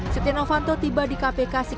setia novanto tiba di kpk sekitar hari ini